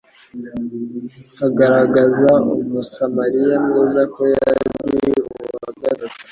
hagaragaza Umusamariya mwiza ko yari uwa gatatu